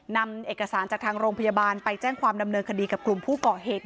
นำเอกสารจากทางโรงพยาบาลไปแจ้งความดำเนินคดีกับกลุ่มผู้ก่อเหตุ